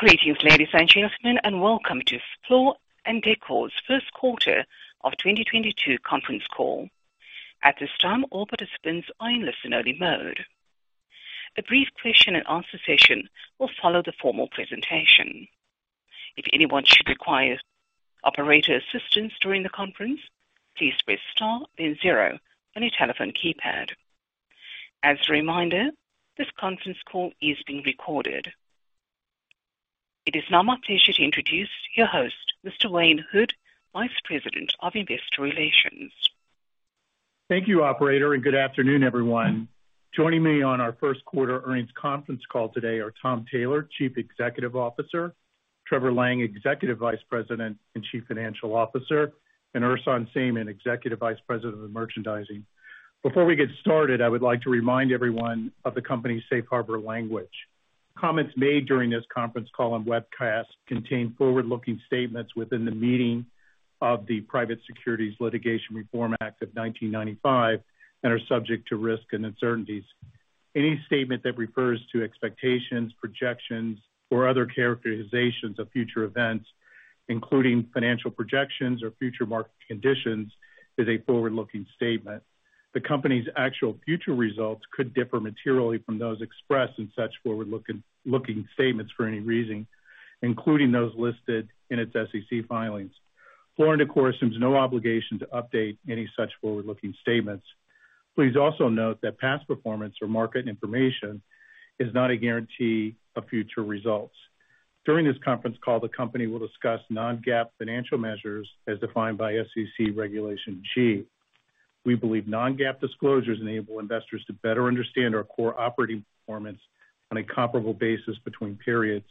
Greetings, ladies and gentlemen, and welcome to Floor & Decor's first quarter of 2022 conference call. At this time, all participants are in listen only mode. A brief question and answer session will follow the formal presentation. If anyone should require operator assistance during the conference, please press star then zero on your telephone keypad. As a reminder, this conference call is being recorded. It is now my pleasure to introduce your host, Mr. Wayne Hood, Vice President of Investor Relations. Thank you, operator, and good afternoon, everyone. Joining me on our first quarter earnings conference call today are Tom Taylor, Chief Executive Officer, Trevor Lang, Executive Vice President and Chief Financial Officer, and Ersan Sayman, Executive Vice President of Merchandising. Before we get started, I would like to remind everyone of the company's safe harbor language. Comments made during this conference call and webcast contain forward-looking statements within the meaning of the Private Securities Litigation Reform Act of 1995 and are subject to risks and uncertainties. Any statement that refers to expectations, projections, or other characterizations of future events, including financial projections or future market conditions, is a forward-looking statement. The company's actual future results could differ materially from those expressed in such forward-looking statements for any reason, including those listed in its SEC filings. Floor & Decor assumes no obligation to update any such forward-looking statements. Please also note that past performance or market information is not a guarantee of future results. During this conference call, the company will discuss non-GAAP financial measures as defined by SEC Regulation G. We believe non-GAAP disclosures enable investors to better understand our core operating performance on a comparable basis between periods.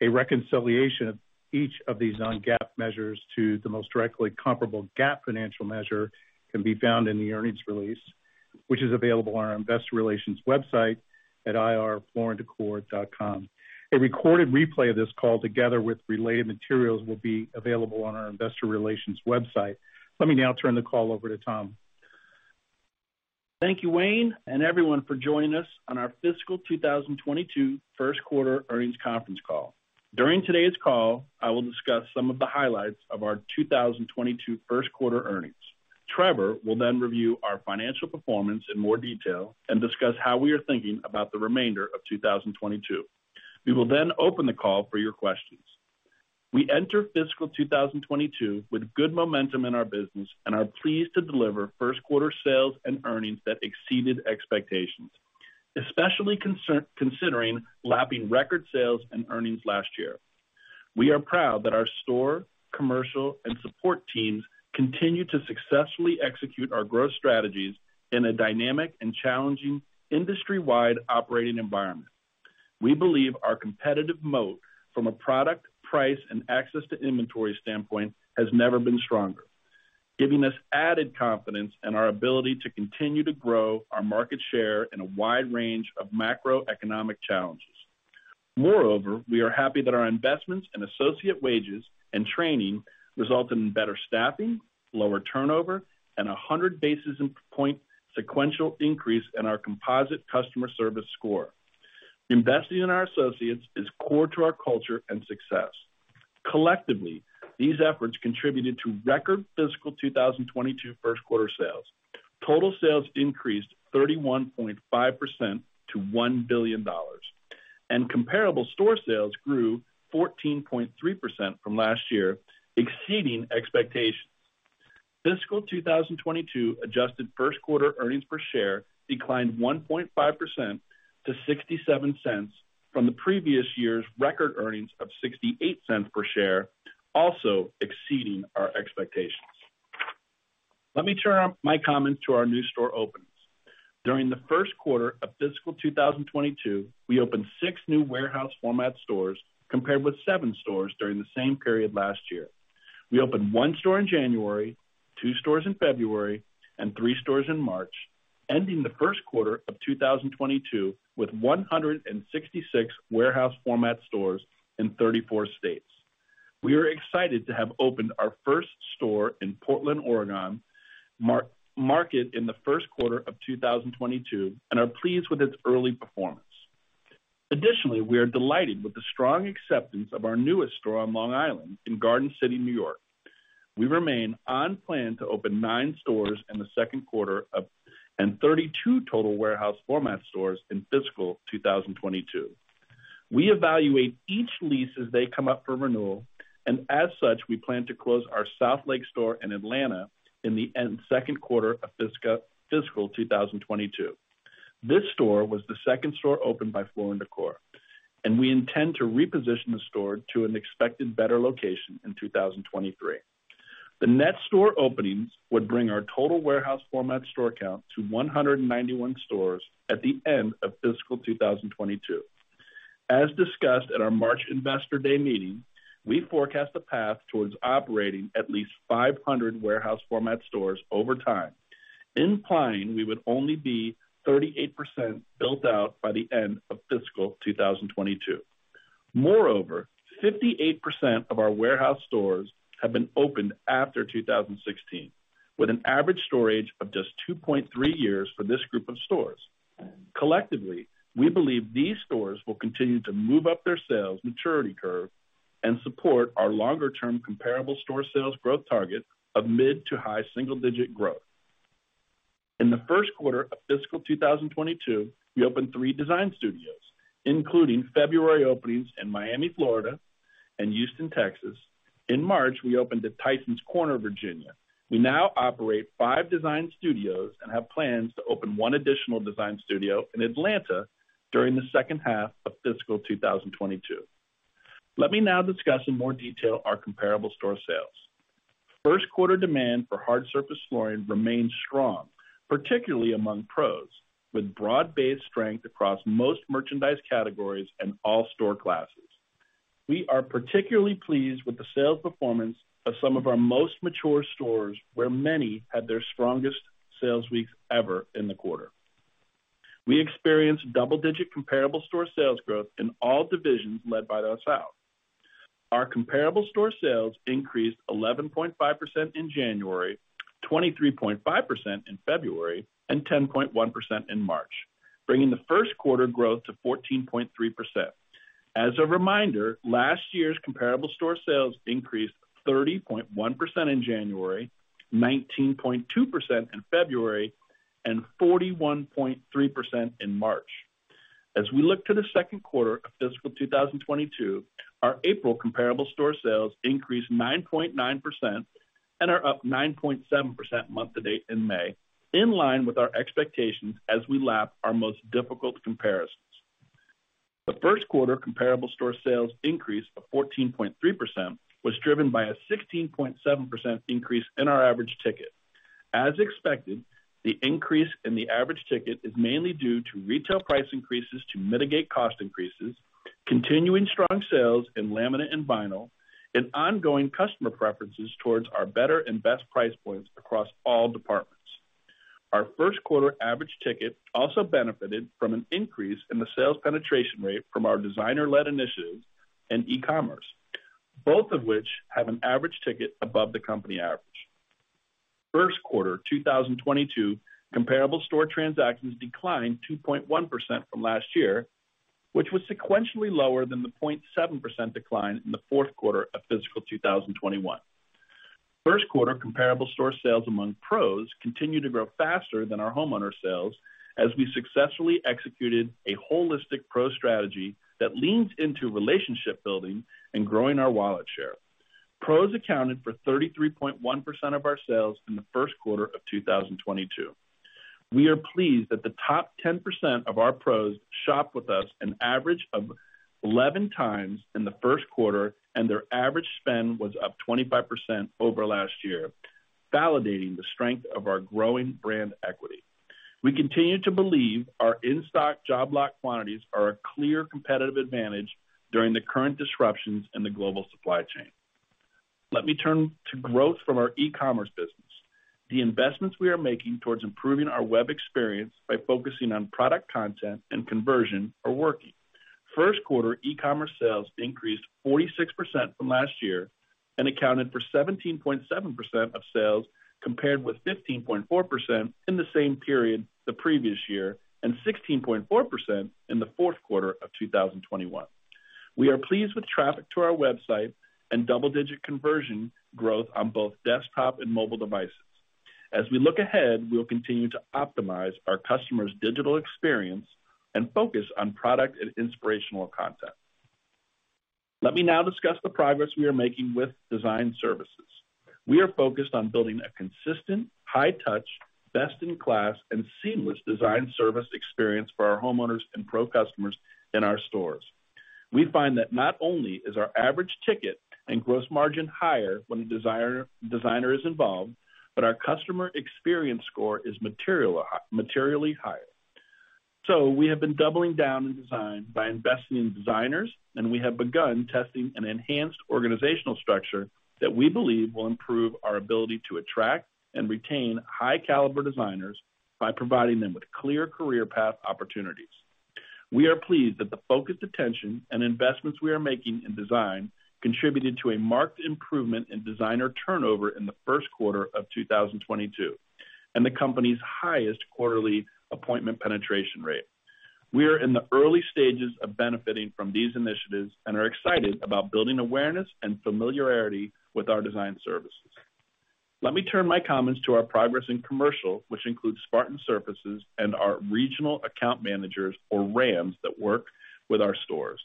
A reconciliation of each of these non-GAAP measures to the most directly comparable GAAP financial measure can be found in the earnings release, which is available on our investor relations website at ir.flooranddecor.com. A recorded replay of this call, together with related materials, will be available on our investor relations website. Let me now turn the call over to Tom. Thank you, Wayne, and everyone for joining us on our fiscal 2022 first quarter earnings conference call. During today's call, I will discuss some of the highlights of our 2022 first quarter earnings. Trevor will then review our financial performance in more detail and discuss how we are thinking about the remainder of 2022. We will then open the call for your questions. We enter fiscal 2022 with good momentum in our business and are pleased to deliver first quarter sales and earnings that exceeded expectations, especially considering lapping record sales and earnings last year. We are proud that our store, commercial, and support teams continue to successfully execute our growth strategies in a dynamic and challenging industry-wide operating environment. We believe our competitive moat from a product, price, and access to inventory standpoint has never been stronger, giving us added confidence in our ability to continue to grow our market share in a wide range of macroeconomic challenges. Moreover, we are happy that our investments in associate wages and training result in better staffing, lower turnover, and 100 basis points sequential increase in our composite customer service score. Investing in our associates is core to our culture and success. Collectively, these efforts contributed to record fiscal 2022 first quarter sales. Total sales increased 31.5% to $1 billion, and comparable store sales grew 14.3% from last year, exceeding expectations. Fiscal 2022 adjusted first quarter earnings per share declined 1.5% to $0.67 from the previous year's record earnings of $0.68 per share, also exceeding our expectations. Let me turn to my comments on our new store openings. During the first quarter of fiscal 2022, we opened 6 new warehouse format stores compared with 7 stores during the same period last year. We opened 1 store in January, 2 stores in February, and 3 stores in March, ending the first quarter of 2022 with 166 warehouse format stores in 34 states. We are excited to have opened our first store in Portland, Oregon market in the first quarter of 2022 and are pleased with its early performance. Additionally, we are delighted with the strong acceptance of our newest store on Long Island in Garden City, New York. We remain on plan to open nine stores in the second quarter and 32 total warehouse format stores in fiscal 2022. We evaluate each lease as they come up for renewal, and as such, we plan to close our Southlake store in Atlanta in the second quarter of fiscal 2022. This store was the second store opened by Floor & Decor, and we intend to reposition the store to an expected better location in 2023. The net store openings would bring our total warehouse format store count to 191 stores at the end of fiscal 2022. As discussed at our March Investor Day meeting, we forecast a path towards operating at least 500 warehouse format stores over time, implying we would only be 38% built out by the end of fiscal 2022. Moreover, 58% of our warehouse stores have been opened after 2016. With an average age of just 2.3 years for this group of stores. Collectively, we believe these stores will continue to move up their sales maturity curve and support our longer-term comparable store sales growth target of mid- to high-single-digit growth. In the first quarter of fiscal 2022, we opened three Design Studios, including February openings in Miami, Florida, and Houston, Texas. In March, we opened at Tysons Corner, Virginia. We now operate 5 Design Studios and have plans to open 1 additional Design Studio in Atlanta during the second half of fiscal 2022. Let me now discuss in more detail our comparable store sales. First quarter demand for hard surface flooring remained strong, particularly among pros, with broad-based strength across most merchandise categories and all store classes. We are particularly pleased with the sales performance of some of our most mature stores, where many had their strongest sales week ever in the quarter. We experienced double-digit comparable store sales growth in all divisions led by the South. Our comparable store sales increased 11.5% in January, 23.5% in February, and 10.1% in March, bringing the first quarter growth to 14.3%. As a reminder, last year's comparable store sales increased 30.1% in January, 19.2% in February, and 41.3% in March. As we look to the second quarter of fiscal 2022, our April comparable store sales increased 9.9% and are up 9.7% month to date in May, in line with our expectations as we lap our most difficult comparisons. The first quarter comparable store sales increase of 14.3% was driven by a 16.7% increase in our average ticket. As expected, the increase in the average ticket is mainly due to retail price increases to mitigate cost increases, continuing strong sales in laminate and vinyl, and ongoing customer preferences towards our better and best price points across all departments. Our first quarter average ticket also benefited from an increase in the sales penetration rate from our designer-led initiatives in e-commerce, both of which have an average ticket above the company average. First quarter 2022 comparable store transactions declined 2.1% from last year, which was sequentially lower than the 0.7% decline in the fourth quarter of fiscal 2021. First quarter comparable store sales among pros continued to grow faster than our homeowner sales as we successfully executed a holistic pro strategy that leans into relationship building and growing our wallet share. Pros accounted for 33.1% of our sales in the first quarter of 2022. We are pleased that the top 10% of our pros shopped with us an average of 11 times in the first quarter, and their average spend was up 25% over last year, validating the strength of our growing brand equity. We continue to believe our in-stock job lot quantities are a clear competitive advantage during the current disruptions in the global supply chain. Let me turn to growth from our e-commerce business. The investments we are making towards improving our web experience by focusing on product content and conversion are working. First quarter e-commerce sales increased 46% from last year and accounted for 17.7% of sales, compared with 15.4% in the same period the previous year and 16.4% in the fourth quarter of 2021. We are pleased with traffic to our website and double-digit conversion growth on both desktop and mobile devices. As we look ahead, we will continue to optimize our customers' digital experience and focus on product and inspirational content. Let me now discuss the progress we are making with design services. We are focused on building a consistent, high touch, best in class and seamless design service experience for our homeowners and pro customers in our stores. We find that not only is our average ticket and gross margin higher when a designer is involved, but our customer experience score is materially higher. We have been doubling down in design by investing in designers, and we have begun testing an enhanced organizational structure that we believe will improve our ability to attract and retain high caliber designers by providing them with clear career path opportunities. We are pleased that the focused attention and investments we are making in design contributed to a marked improvement in designer turnover in the first quarter of 2022, and the company's highest quarterly appointment penetration rate. We are in the early stages of benefiting from these initiatives and are excited about building awareness and familiarity with our design services. Let me turn my comments to our progress in commercial, which includes Spartan Surfaces and our regional account managers, or RAMs, that work with our stores.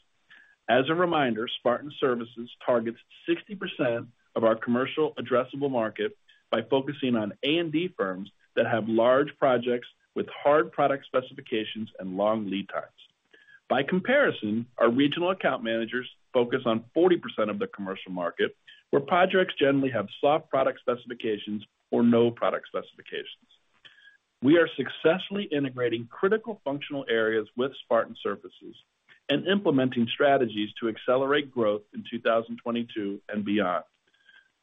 As a reminder, Spartan Surfaces targets 60% of our commercial addressable market by focusing on A&D firms that have large projects with hard product specifications and long lead times. By comparison, our regional account managers focus on 40% of the commercial market, where projects generally have soft product specifications or no product specifications. We are successfully integrating critical functional areas with Spartan Surfaces and implementing strategies to accelerate growth in 2022 and beyond.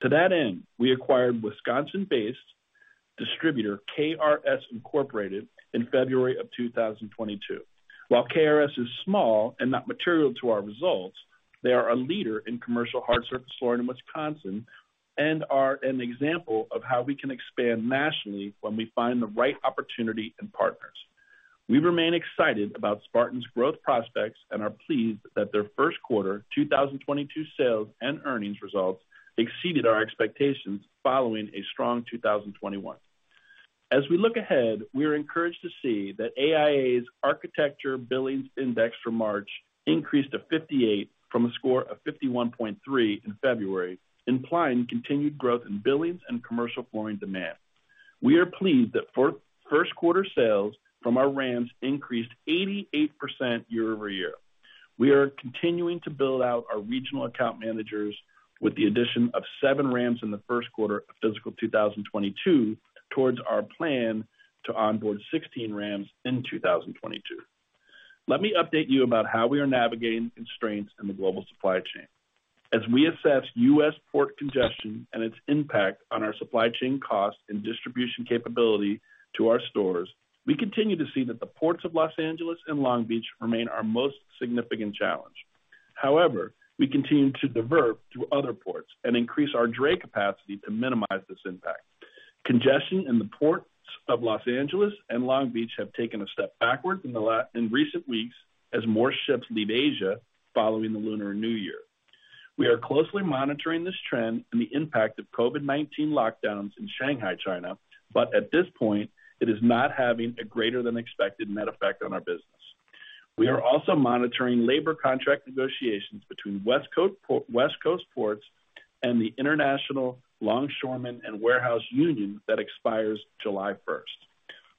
To that end, we acquired Wisconsin-based distributor KRS Incorporated in February 2022. While KRS is small and not material to our results, they are a leader in commercial hard surface flooring in Wisconsin and are an example of how we can expand nationally when we find the right opportunity and partners. We remain excited about Spartan's growth prospects and are pleased that their first quarter 2022 sales and earnings results exceeded our expectations following a strong 2021. As we look ahead, we are encouraged to see that AIA's Architecture Billings Index for March increased to 58 from a score of 51.3 in February, implying continued growth in billings and commercial flooring demand. We are pleased that first quarter sales from our RAMs increased 88% year-over-year. We are continuing to build out our regional account managers with the addition of 7 RAMs in the first quarter of fiscal 2022 towards our plan to onboard 16 RAMs in 2022. Let me update you about how we are navigating constraints in the global supply chain. As we assess U.S. port congestion and its impact on our supply chain costs and distribution capability to our stores, we continue to see that the ports of Los Angeles and Long Beach remain our most significant challenge. However, we continue to divert through other ports and increase our dray capacity to minimize this impact. Congestion in the ports of Los Angeles and Long Beach have taken a step backwards in recent weeks as more ships leave Asia following the Lunar New Year. We are closely monitoring this trend and the impact of COVID-19 lockdowns in Shanghai, China, but at this point, it is not having a greater than expected net effect on our business. We are also monitoring labor contract negotiations between West Coast ports and the International Longshore and Warehouse Union that expires July first.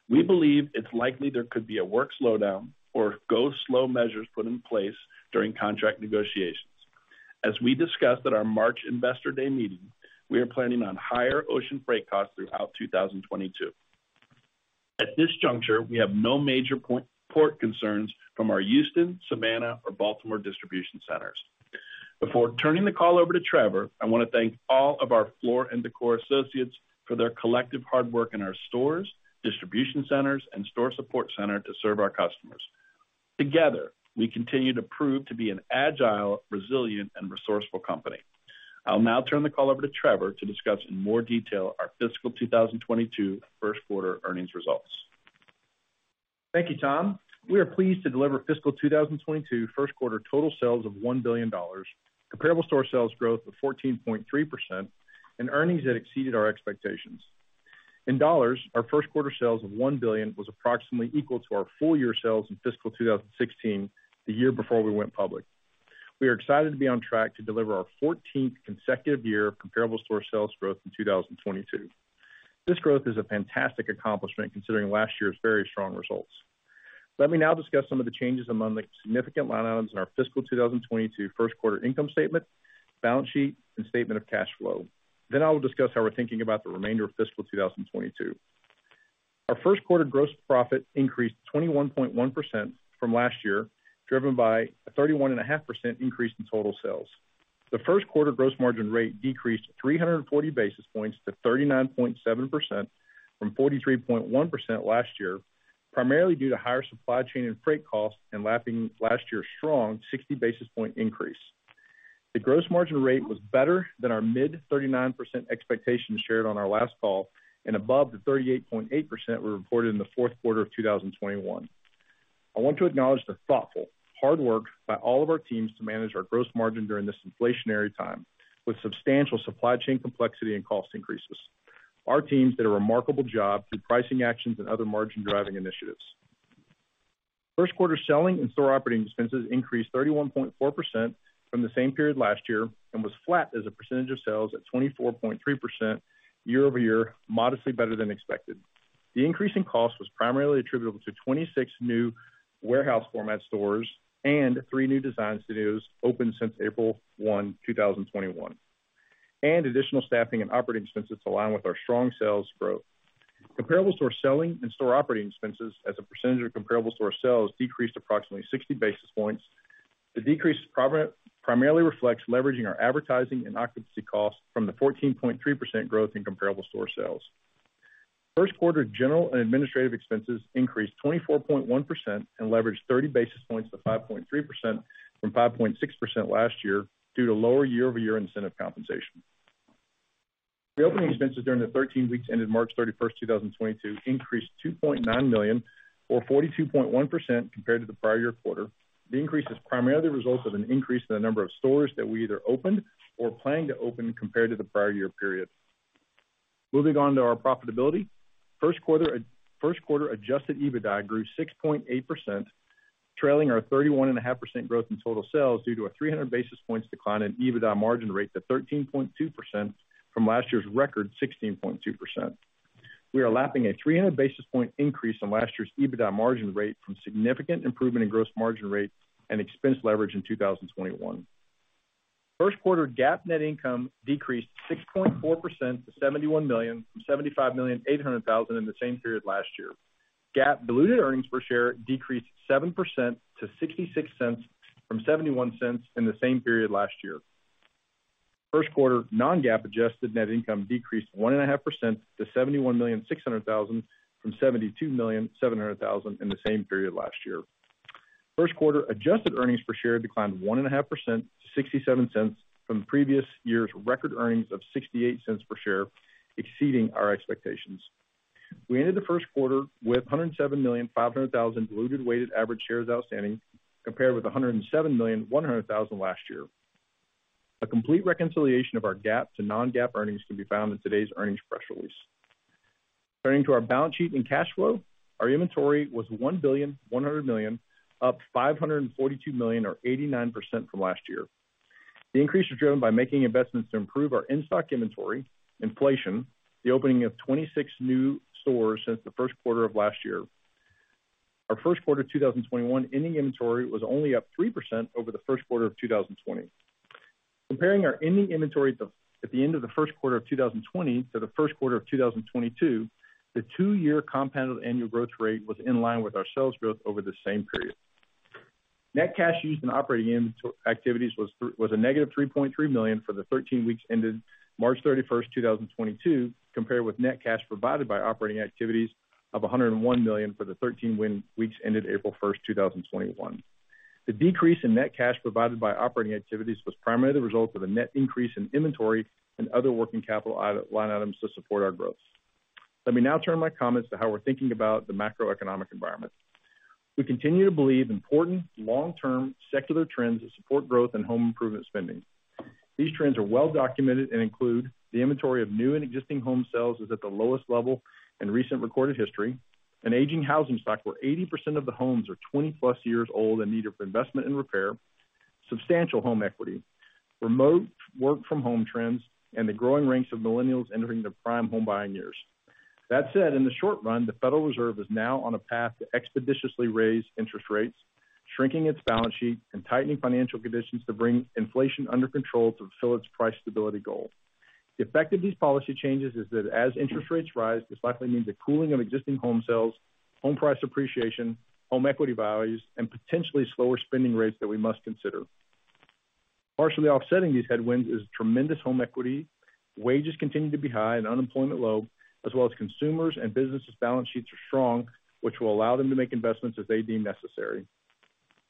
We believe it's likely there could be a work slowdown or go slow measures put in place during contract negotiations. As we discussed at our March Investor Day meeting, we are planning on higher ocean freight costs throughout 2022. At this juncture, we have no major port concerns from our Houston, Savannah, or Baltimore distribution centers. Before turning the call over to Trevor, I wanna thank all of our Floor & Decor associates for their collective hard work in our stores, distribution centers, and store support center to serve our customers. Together, we continue to prove to be an agile, resilient, and resourceful company. I'll now turn the call over to Trevor to discuss in more detail our fiscal 2022 first quarter earnings results. Thank you, Tom. We are pleased to deliver fiscal 2022 first quarter total sales of $1 billion, comparable store sales growth of 14.3%, and earnings that exceeded our expectations. In dollars, our first quarter sales of $1 billion was approximately equal to our full year sales in fiscal 2016, the year before we went public. We are excited to be on track to deliver our 14th consecutive year of comparable store sales growth in 2022. This growth is a fantastic accomplishment considering last year's very strong results. Let me now discuss some of the changes among the significant line items in our fiscal 2022 first quarter income statement, balance sheet, and statement of cash flow. I will discuss how we're thinking about the remainder of fiscal 2022. Our first quarter gross profit increased 21.1% from last year, driven by a 31.5% increase in total sales. The first quarter gross margin rate decreased 340 basis points to 39.7% from 43.1% last year, primarily due to higher supply chain and freight costs and lapping last year's strong 60 basis point increase. The gross margin rate was better than our mid 39% expectations shared on our last call and above the 38.8% we reported in the fourth quarter of 2021. I want to acknowledge the thoughtful, hard work by all of our teams to manage our gross margin during this inflationary time with substantial supply chain complexity and cost increases. Our teams did a remarkable job through pricing actions and other margin-driving initiatives. First quarter selling and store operating expenses increased 31.4% from the same period last year and was flat as a percentage of sales at 24.3% year-over-year, modestly better than expected. The increase in cost was primarily attributable to 26 new warehouse format stores and three new design studios opened since April 1, 2021, and additional staffing and operating expenses to align with our strong sales growth. Comparable store selling and store operating expenses as a percentage of comparable store sales decreased approximately 60 basis points. The decrease primarily reflects leveraging our advertising and occupancy costs from the 14.3% growth in comparable store sales. First-quarter general and administrative expenses increased 24.1% and leveraged 30 basis points to 5.3% from 5.6% last year due to lower year-over-year incentive compensation. The opening expenses during the 13 weeks ended March 31, 2022, increased $2.9 million or 42.1% compared to the prior-year quarter. The increase is primarily the result of an increase in the number of stores that we either opened or plan to open compared to the prior-year period. Moving on to our profitability. First-quarter adjusted EBITDA grew 6.8%, trailing our 31.5% growth in total sales due to a 300 basis points decline in EBITDA margin rate to 13.2% from last year's record 16.2%. We are lapping a 300 basis point increase from last year's EBITDA margin rate from significant improvement in gross margin rate and expense leverage in 2021. First quarter GAAP net income decreased 6.4% to $71 million from $75.8 million in the same period last year. GAAP diluted earnings per share decreased 7% to $0.66 from $0.71 in the same period last year. First quarter non-GAAP adjusted net income decreased 1.5% to $71.6 million from $72.7 million in the same period last year. First quarter adjusted earnings per share declined 1.5% to $0.67 from previous year's record earnings of $0.68 per share, exceeding our expectations. We ended the first quarter with 107.5 million diluted weighted average shares outstanding compared with 107.1 million last year. A complete reconciliation of our GAAP to non-GAAP earnings can be found in today's earnings press release. Turning to our balance sheet and cash flow. Our inventory was $1.1 billion, up $542 million or 89% from last year. The increase was driven by making investments to improve our in-stock inventory, inflation, the opening of 26 new stores since the first quarter of last year. Our first quarter 2021 ending inventory was only up 3% over the first quarter of 2020. Comparing our ending inventory to at the end of the first quarter of 2020 to the first quarter of 2022, the 2-year compounded annual growth rate was in line with our sales growth over the same period. Net cash used in operating activities was -$3.3 million for the 13 weeks ended March 31, 2022, compared with net cash provided by operating activities of $101 million for the 13 weeks ended April 1, 2021. The decrease in net cash provided by operating activities was primarily the result of a net increase in inventory and other working capital line items to support our growth. Let me now turn my comments to how we're thinking about the macroeconomic environment. We continue to believe important long-term secular trends that support growth and home improvement spending. These trends are well documented and include the inventory of new and existing home sales is at the lowest level in recent recorded history, an aging housing stock where 80% of the homes are 20+ years old in need of investment and repair, substantial home equity, remote work from home trends, and the growing ranks of millennials entering their prime home buying years. That said, in the short run, the Federal Reserve is now on a path to expeditiously raise interest rates, shrinking its balance sheet and tightening financial conditions to bring inflation under control to fulfill its price stability goal. The effect of these policy changes is that as interest rates rise, this likely means a cooling of existing home sales, home price appreciation, home equity values, and potentially slower spending rates that we must consider. Partially offsetting these headwinds is tremendous home equity. Wages continue to be high and unemployment low, as well as consumers' and businesses' balance sheets are strong, which will allow them to make investments as they deem necessary.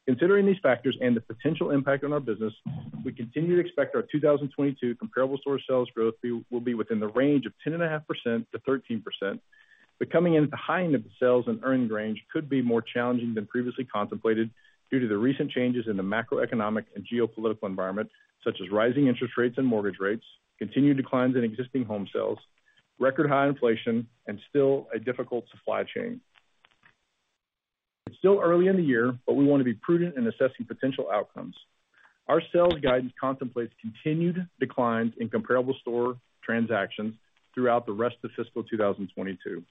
Considering these factors and the potential impact on our business, we continue to expect our 2022 comparable store sales growth to be within the range of 10.5%-13%. Coming in at the high end of the sales and earnings range could be more challenging than previously contemplated due to the recent changes in the macroeconomic and geopolitical environment, such as rising interest rates and mortgage rates, continued declines in existing home sales, record high inflation, and still a difficult supply chain. It's still early in the year, but we want to be prudent in assessing potential outcomes. Our sales guidance contemplates continued declines in comparable store transactions throughout the rest of fiscal 2022.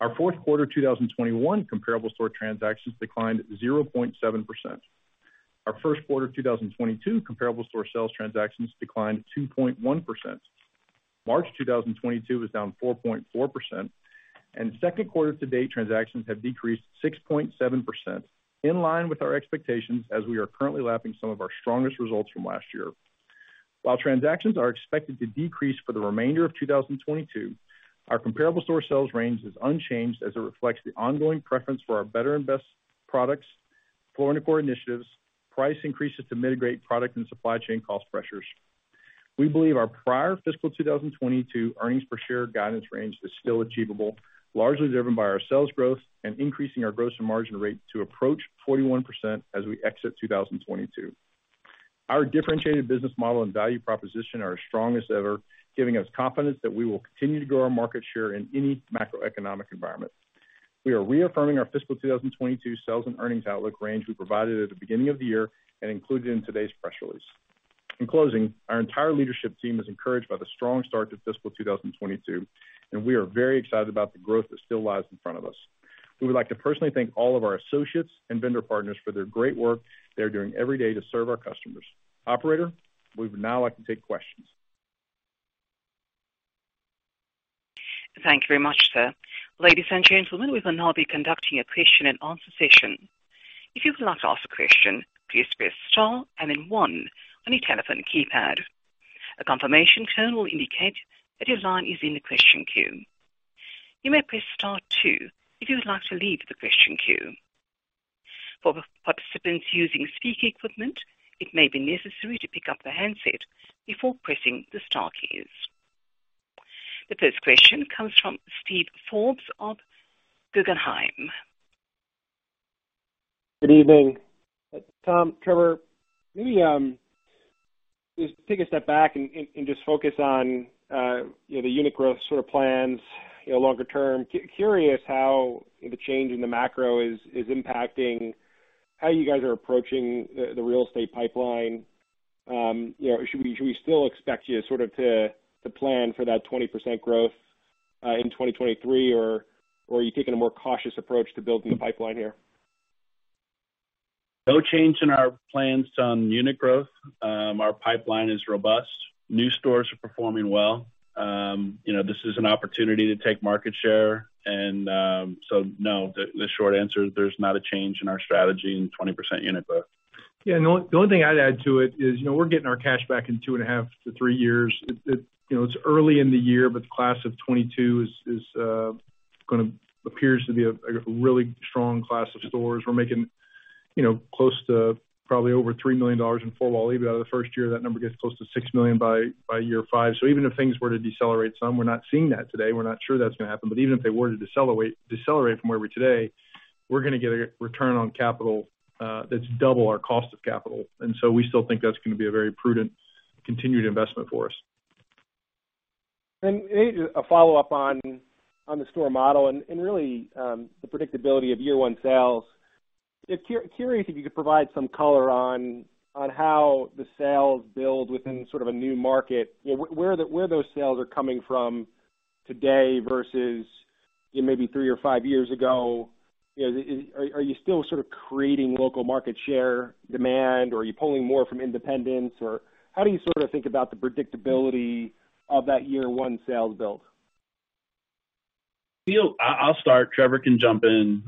Our fourth quarter 2021 comparable store transactions declined 0.7%. Our first quarter 2022 comparable store sales transactions declined 2.1%. March 2022 was down 4.4%, and second quarter to date, transactions have decreased 6.7% in line with our expectations as we are currently lapping some of our strongest results from last year. While transactions are expected to decrease for the remainder of 2022, our comparable store sales range is unchanged as it reflects the ongoing preference for our better and best products, Floor & Decor initiatives, price increases to mitigate product and supply chain cost pressures. We believe our prior fiscal 2022 earnings per share guidance range is still achievable, largely driven by our sales growth and increasing our gross margin rate to approach 41% as we exit 2022. Our differentiated business model and value proposition are as strong as ever, giving us confidence that we will continue to grow our market share in any macroeconomic environment. We are reaffirming our fiscal 2022 sales and earnings outlook range we provided at the beginning of the year and included in today's press release. In closing, our entire leadership team is encouraged by the strong start to fiscal 2022, and we are very excited about the growth that still lies in front of us. We would like to personally thank all of our associates and vendor partners for their great work they're doing every day to serve our customers. Operator, we would now like to take questions. Thank you very much, sir. Ladies and gentlemen, we will now be conducting a question and answer session. If you would like to ask a question, please press star and then one on your telephone keypad. A confirmation tone will indicate that your line is in the question queue. You may press star two if you would like to leave the question queue. For participants using speaker equipment, it may be necessary to pick up the handset before pressing the star keys. The first question comes from Steven Forbes of Guggenheim. Good evening, Tom, Trevor. Maybe just take a step back and just focus on the unit growth plans longer term. Curious how the change in the macro is impacting how you guys are approaching the real estate pipeline. Should we still expect you to plan for that 20% growth in 2023? Or are you taking a more cautious approach to building the pipeline here? No change in our plans on unit growth. Our pipeline is robust. New stores are performing well. This is an opportunity to take market share. No, the short answer is there's not a change in our strategy in 20% unit growth. Yeah. The only thing I'd add to it is we're getting our cash back in 2.5-3 years. It's early in the year, but the class of 2022 appears to be like a really strong class of stores. We're making close to probably over $3 million in full-year EBITDA the first year. That number gets close to $6 million by year 5. Even if things were to decelerate some, we're not seeing that today, we're not sure that's gonna happen, but even if they were to decelerate from where we are today, we're gonna get a return on capital that's double our cost of capital. We still think that's gonna be a very prudent continued investment for us. Maybe just a follow-up on the store model and really the predictability of year one sales. Just curious if you could provide some color on how the sales build within a new market. Where those sales are coming from today versus maybe three or five years ago. Are you still creating local market share demand or are you pulling more from independents? Or how do you think about the predictability of that year one sales build? I'll start. Trevor can jump in.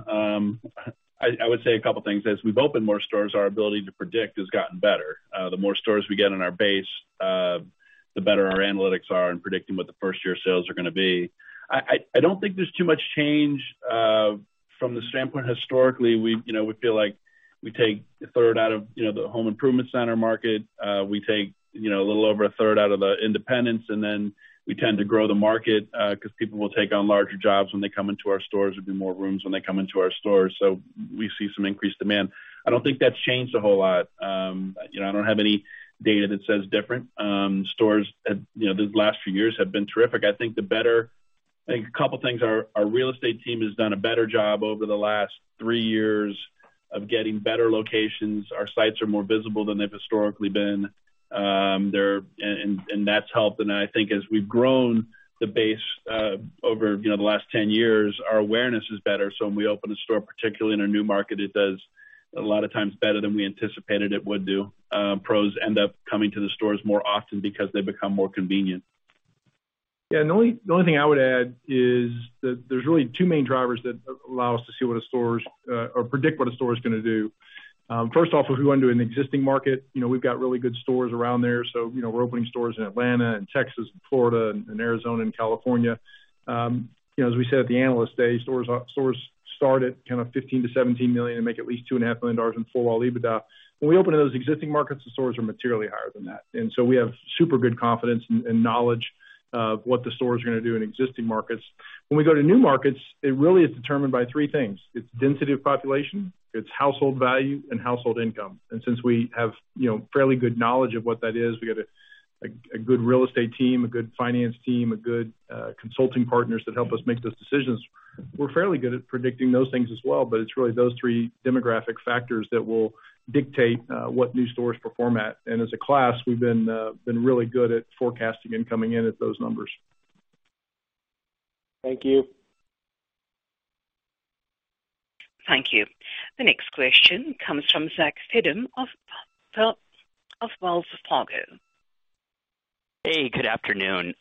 I would say a couple things. As we've opened more stores, our ability to predict has gotten better. The more stores we get in our base, the better our analytics are in predicting what the first-year sales are gonna be. I don't think there's too much change from the standpoint historically. We feel like we take a third out of the home improvement center market. We take a little over a third out of the independents, and then we tend to grow the market, 'cause people will take on larger jobs when they come into our stores or do more rooms when they come into our stores. We see some increased demand. I don't think that's changed a whole lot. I don't have any data that says different. Stores have these last few years have been terrific. I think a couple things. Our real estate team has done a better job over the last three years of getting better locations. Our sites are more visible than they've historically been. That's helped. I think as we've grown the base, over the last 10 years, our awareness is better. When we open a store, particularly in a new market, it does a lot of times better than we anticipated it would do. Pros end up coming to the stores more often because they become more convenient. Yeah. The only thing I would add is that there's really two main drivers that allow us to see what a store's or predict what a store's gonna do. First off, if we go into an existing market we've got really good stores around there. We're opening stores in Atlanta and Texas and Florida and Arizona and California. As we said at the Analyst Day, stores start at $15-$17 million and make at least $2.5 million in full-year EBITDA. When we open in those existing markets, the stores are materially higher than that. We have super good confidence and knowledge of what the stores are gonna do in existing markets. When we go to new markets, it really is determined by three things. It's density of population, it's household value, and household income. Since we have fairly good knowledge of what that is, we got a good real estate team, a good finance team, a good consulting partners that help us make those decisions. We're fairly good at predicting those things as well, but it's really those three demographic factors that will dictate what new stores perform at. As a class, we've been really good at forecasting and coming in at those numbers. Thank you. Thank you. The next question comes from Zachary Fadem of Wells Fargo. Hey, good afternoon.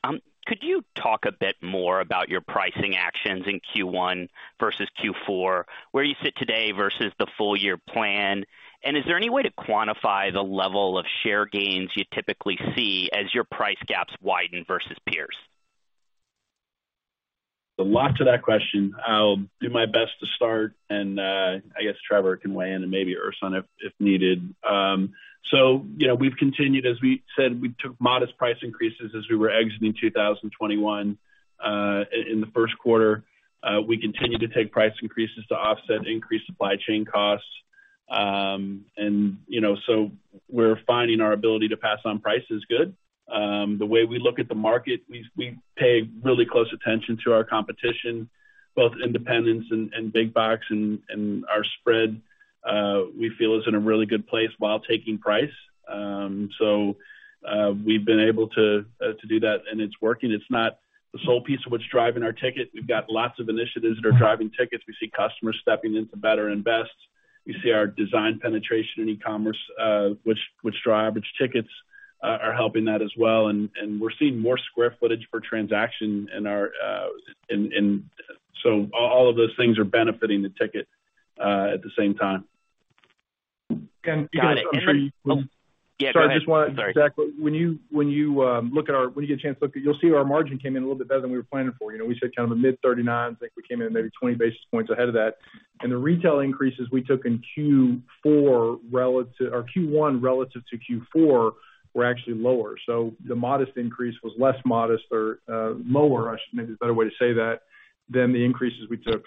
Could you talk a bit more about your pricing actions in Q1 versus Q4, where you sit today versus the full year plan? Is there any way to quantify the level of share gains you typically see as your price gaps widen versus peers? A lot to that question. I'll do my best to start and, Trevor can weigh in and maybe Ersan if needed. We've continued, as we said, we took modest price increases as we were exiting 2021. In the first quarter, we continued to take price increases to offset increased supply chain costs. We're finding our ability to pass on price is good. The way we look at the market, we pay really close attention to our competition, both independents and big box and our spread, we feel is in a really good place while taking price. We've been able to do that, and it's working. It's not the sole piece of what's driving our ticket. We've got lots of initiatives that are driving tickets. We see customers stepping into better and best. We see our design penetration in e-commerce, which drive our tickets, are helping that as well. We're seeing more square footage per transaction. All of those things are benefiting the ticket at the same time. Got it. Can I- Yeah, go ahead. Sorry. Sorry, I just wanted, Zach, when you get a chance to look, you'll see our margin came in a little bit better than we were planning for. We said a mid-39%. I think we came in maybe 20 basis points ahead of that. The retail increases we took in Q1 relative to Q4 were actually lower. The modest increase was less modest or lower, I should maybe a better way to say that, than the increases we took.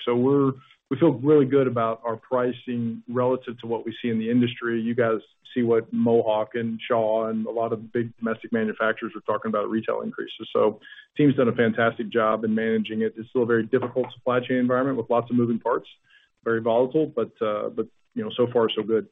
We feel really good about our pricing relative to what we see in the industry. You guys see what Mohawk and Shaw and a lot of big domestic manufacturers are talking about retail increases. The team's done a fantastic job in managing it. It's still a very difficult supply chain environment with lots of moving parts, very volatile, but so far so good.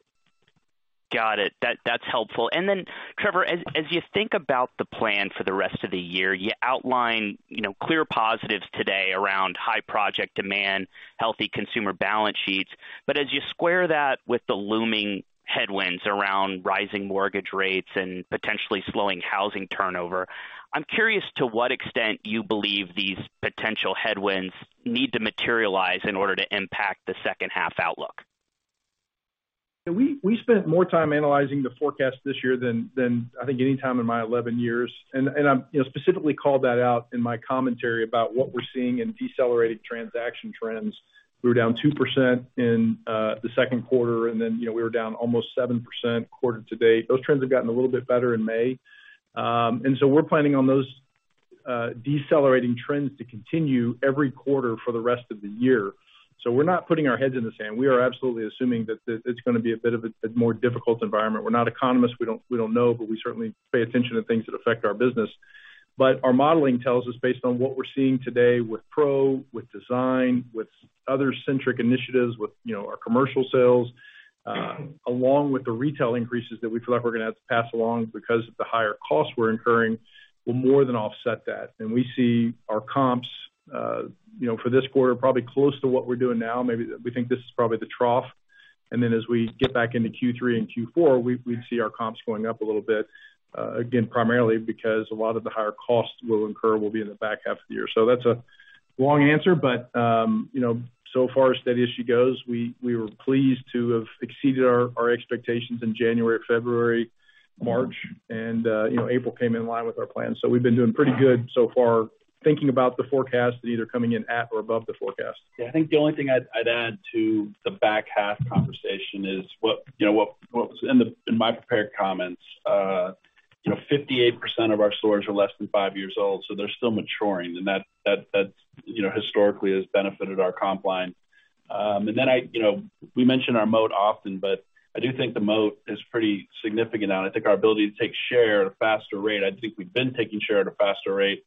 Got it. That's helpful. Then Trevor, as you think about the plan for the rest of the year, you outline clear positives today around high project demand, healthy consumer balance sheets. But as you square that with the looming headwinds around rising mortgage rates and potentially slowing housing turnover, I'm curious to what extent you believe these potential headwinds need to materialize in order to impact the second half outlook. We spent more time analyzing the forecast this year than I think any time in my 11 years, and I specifically called that out in my commentary about what we're seeing in decelerated transaction trends. We were down 2% in the second quarter, and then we were down almost 7% quarter to date. Those trends have gotten a little bit better in May. We're planning on those decelerating trends to continue every quarter for the rest of the year. We're not putting our heads in the sand. We are absolutely assuming that it's gonna be a bit of a more difficult environment. We're not economists. We don't know, but we certainly pay attention to things that affect our business. Our modeling tells us based on what we're seeing today with pro, with design, with other centric initiatives, with our commercial sales, along with the retail increases that we feel like we're gonna have to pass along because of the higher costs we're incurring, will more than offset that. We see our comps for this quarter, probably close to what we're doing now. Maybe we think this is probably the trough. As we get back into Q3 and Q4, we see our comps going up a little bit, again, primarily because a lot of the higher costs we'll incur will be in the back half of the year. That's a long answer, but so far as steady as she goes, we were pleased to have exceeded our expectations in January, February, March, and April came in line with our plans. We've been doing pretty good so far thinking about the forecast either coming in at or above the forecast. Yeah. I think the only thing I'd add to the back half conversation is what was in my prepared comments. 58% of our stores are less than five years old, so they're still maturing. That historically has benefited our comp line. We mention our moat often, but I do think the moat is pretty significant now, and I think our ability to take share at a faster rate. I think we've been taking share at a faster rate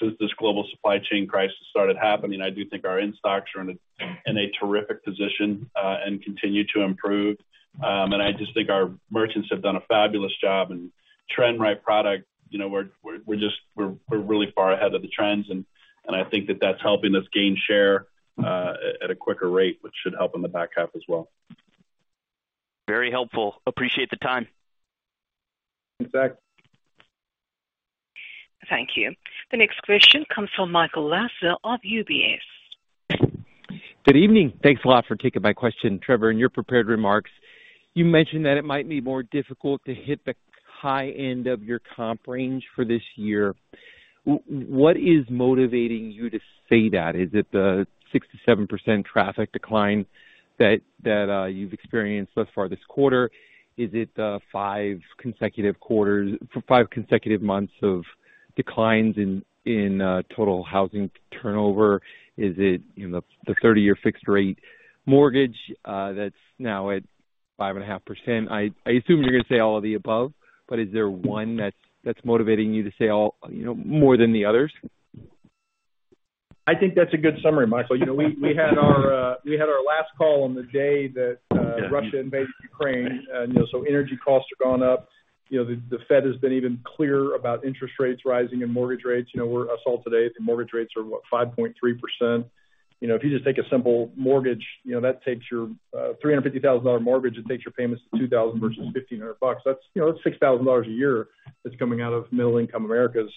since this global supply chain crisis started happening. I do think our in-stocks are in a terrific position and continue to improve. I just think our merchants have done a fabulous job in trend-right product. We're just really far ahead of the trends, and I think that's helping us gain share at a quicker rate, which should help in the back half as well. Very helpful. Appreciate the time. Thanks, Zach. Thank you. The next question comes from Michael Lasser of UBS. Good evening. Thanks a lot for taking my question. Trevor, in your prepared remarks, you mentioned that it might be more difficult to hit the high end of your comp range for this year. What is motivating you to say that? Is it the 6%-7% traffic decline that you've experienced thus far this quarter? Is it the five consecutive months of declines in total housing turnover? Is it the 30-year fixed-rate mortgage that's now at 5.5%? I assume you're gonna say all of the above, but is there one that's motivating you to say all more than the others? I think that's a good summary, Michael. We had our last call on the day that Russia invaded Ukraine. Energy costs have gone up. The Fed has been even clearer about interest rates rising and mortgage rates. I saw today the mortgage rates are, what, 5.3%. If you just take a simple mortgage that takes your $350,000 mortgage and takes your payments to $2,000 versus $1,500. That's $6,000 a year that's coming out of middle income America's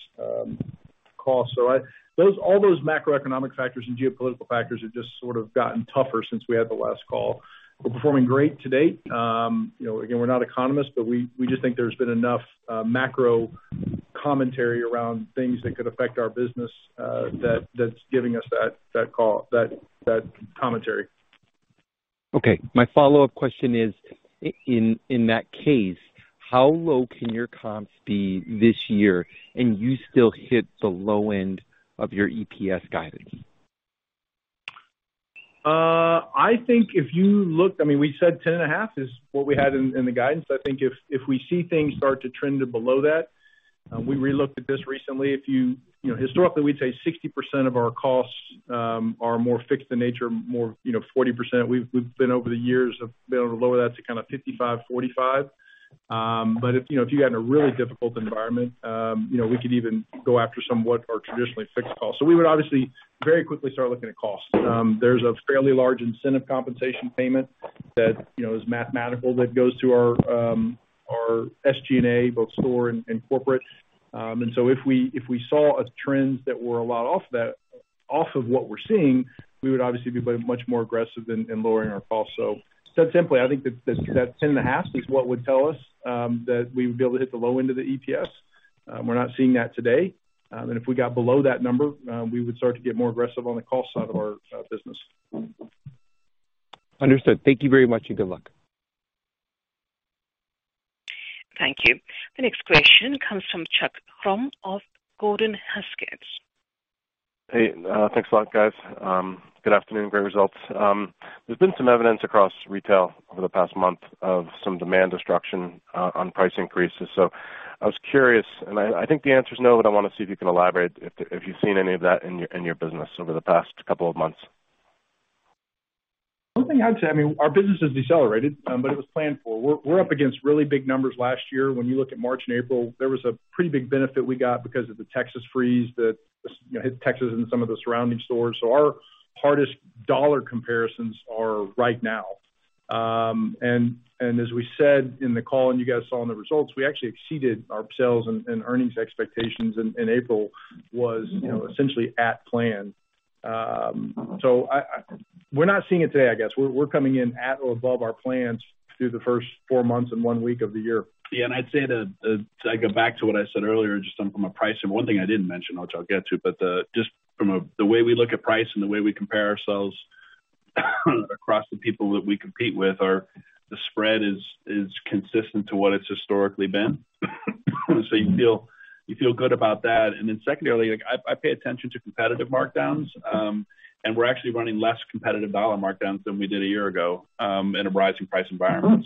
cost. All those macroeconomic factors and geopolitical factors have just gotten tougher since we had the last call. We're performing great to date. We're not economists, but we just think there's been enough macro commentary around things that could affect our business, that's giving us that call, that commentary. Okay. My follow-up question is, in that case, how low can your comps be this year and you still hit the low end of your EPS guidance? I think if you look, we said 10.5% is what we had in the guidance. I think if we see things start to trend to below that, we relooked at this recently. Historically, we'd say 60% of our costs are more fixed in nature 40%. We've been over the years able to lower that to kinda 55-45. If you had in a really difficult environment we could even go after somewhat our traditionally fixed costs. We would obviously very quickly start looking at costs. There's a fairly large incentive compensation payment that is mathematical that goes to our SG&A, both store and corporate. If we saw a trend that were a lot off of what we're seeing, we would obviously be much more aggressive in lowering our costs. Said simply, I think that 10.5 is what would tell us that we would be able to hit the low end of the EPS. We're not seeing that today. If we got below that number, we would start to get more aggressive on the cost side of our business. Understood. Thank you very much, and good luck. Thank you. The next question comes from Chuck Grom of Gordon Haskett. Thanks a lot, guys. Good afternoon. Great results. There's been some evidence across retail over the past month of some demand destruction on price increases. I was curious, and I think the answer is no, but I wanna see if you can elaborate if you've seen any of that in your business over the past couple of months. One thing I'd say, our business has decelerated, but it was planned for. We're up against really big numbers last year. When you look at March and April, there was a pretty big benefit we got because of the Texas freeze that hit Texas and some of the surrounding stores. So our hardest dollar comparisons are right now. As we said in the call, you guys saw in the results, we actually exceeded our sales and earnings expectations, and April was essentially at plan. So we're not seeing it today. We're coming in at or above our plans through the first four months and one week of the year. I'd say that as I go back to what I said earlier. One thing I didn't mention, which I'll get to, but just from the way we look at price and the way we compare ourselves across the people that we compete with, the spread is consistent to what it's historically been. You feel good about that. Secondly, like I pay attention to competitive markdowns. We're actually running less competitive dollar markdowns than we did a year ago in a rising price environment.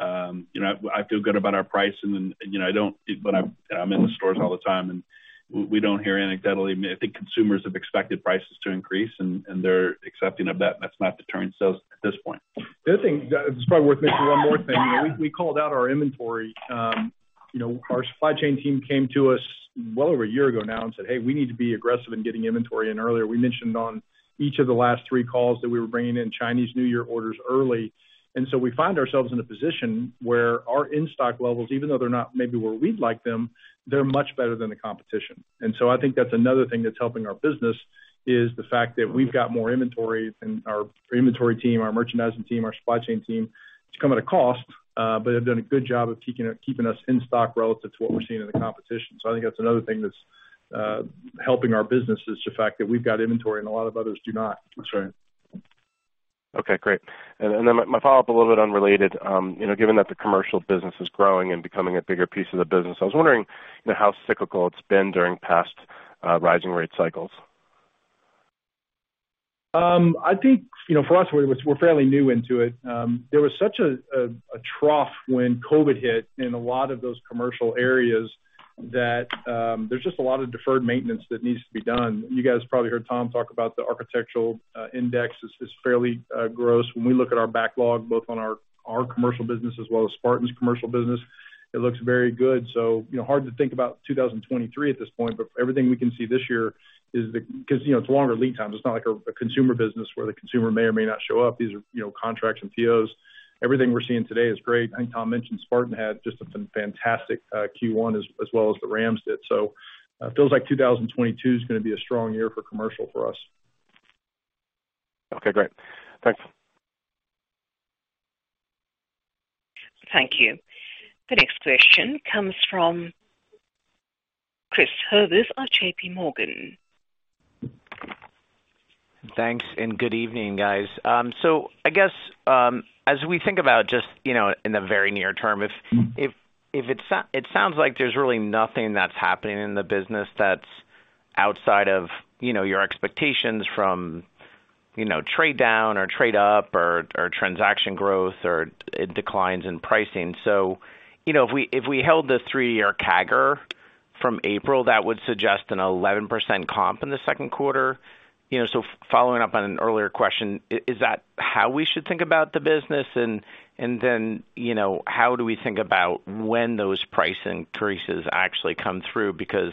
I feel good about our price and then I'm in the stores all the time, and we don't hear anecdotally. I think consumers have expected prices to increase and they're accepting of that, and that's not deterring sales at this point. The other thing, it's probably worth mentioning one more thing. We called out our inventory. Our supply chain team came to us well over a year ago now and said, "Hey, we need to be aggressive in getting inventory in earlier." We mentioned on each of the last three calls that we were bringing in Chinese New Year orders early. We find ourselves in a position where our in-stock levels, even though they're not maybe where we'd like them, they're much better than the competition. I think that's another thing that's helping our business is the fact that we've got more inventory and our inventory team, our merchandising team, our supply chain team, it's come at a cost, but have done a good job of keeping us in stock relative to what we're seeing in the competition. I think that's another thing that's helping our business is the fact that we've got inventory and a lot of others do not. That's right. Okay, great. My follow-up, a little bit unrelated. Given that the commercial business is growing and becoming a bigger piece of the business, I was wondering how cyclical it's been during past rising rate cycles? I think for us, we're fairly new into it. There was such a trough when COVID hit in a lot of those commercial areas that there's just a lot of deferred maintenance that needs to be done. You guys probably heard Tom talk about the architectural index is fairly strong. When we look at our backlog, both on our commercial business as well as Spartan's commercial business, it looks very good. Hard to think about 2023 at this point, but everything we can see this year is, because it's longer lead times. It's not like a consumer business where the consumer may or may not show up. These are contracts and POs. Everything we're seeing today is great. I think Tom mentioned Spartan had just a fantastic Q1 as well as the RAMs did. It feels like 2022 is gonna be a strong year for commercial for us. Okay, great. Thanks. Thank you. The next question comes from Christopher Horvers of J.P. Morgan. Thanks, good evening, guys. As we think about just in the very near term, if it sounds like there's really nothing that's happening in the business that's outside of your expectations from trade down or trade up or transaction growth or declines in pricing. If we held the three-year CAGR from April, that would suggest an 11% comp in the second quarter. Following up on an earlier question, is that how we should think about the business? Then how do we think about when those price increases actually come through? Because,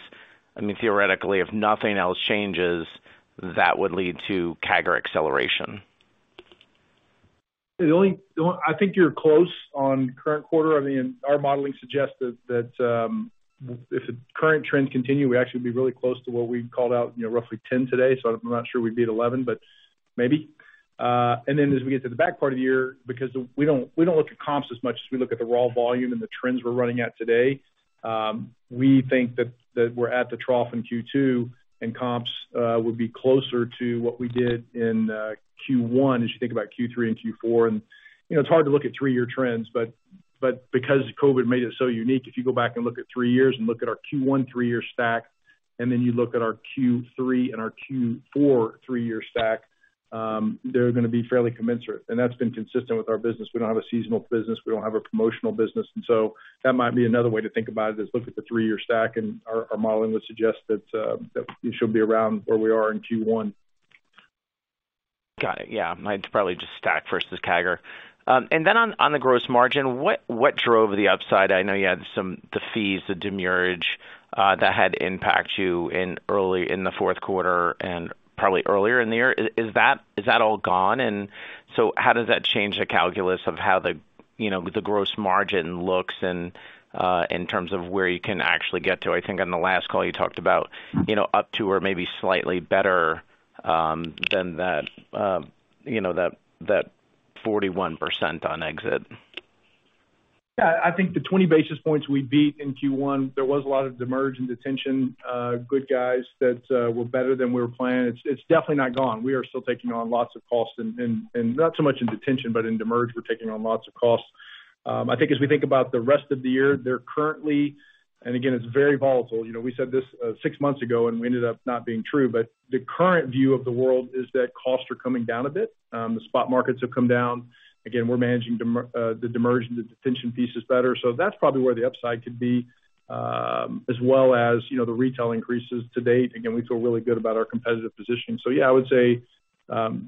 theoretically, if nothing else changes, that would lead to CAGR acceleration. I think you're close on current quarter. Our modeling suggests that if the current trends continue, we'll actually be really close to what we called out roughly 10% today, so I'm not sure we'd be at 11%, but maybe. Then as we get to the back part of the year, because we don't look at comps as much as we look at the raw volume and the trends we're running at today, we think that we're at the trough in Q2 and comps would be closer to what we did in Q1 as you think about Q3 and Q4. It's hard to look at three-year trends, but because COVID made it so unique, if you go back and look at three years and look at our Q1 three-year stack, and then you look at our Q3 and our Q4 three-year stack, they're gonna be fairly commensurate. That's been consistent with our business. We don't have a seasonal business. We don't have a promotional business. That might be another way to think about it, is look at the three-year stack, and our modeling would suggest that we should be around where we are in Q1. Got it. Yeah. It's probably just stack versus CAGR. And then on the gross margin, what drove the upside? I know you had the fees, the demurrage, that had impact you in the fourth quarter and probably earlier in the year. Is that all gone? How does that change the calculus of how the gross margin looks and in terms of where you can actually get to? I think on the last call you talked about up to or maybe slightly better than that 41% on exit. Yeah. I think the 20 basis points we beat in Q1, there was a lot of demurrage and detention costs that were better than we were planning. It's definitely not gone. We are still taking on lots of costs and not so much in detention, but in demurrage, we're taking on lots of costs. I think as we think about the rest of the year, they're currently. Again, it's very volatile. We said this six months ago, and we ended up not being true. But the current view of the world is that costs are coming down a bit. The spot markets have come down. Again, we're managing the demurrage and the detention pieces better. So that's probably where the upside could be, as well as the retail increases to date. Again, we feel really good about our competitive position. Yeah, I would say